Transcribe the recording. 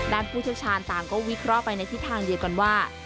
ผู้เชี่ยวชาญต่างก็วิเคราะห์ไปในทิศทางเดียวกันว่า